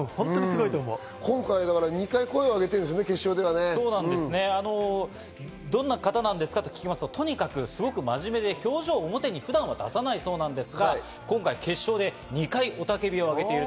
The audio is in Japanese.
今回、２回声をどんな方ですか？と聞きますと、とにかく真面目で表情を普段は表に出さないそうですが、今回決勝で２回雄たけびを上げている。